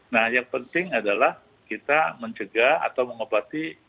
nah yang penting adalah kita mencegah atau mengobati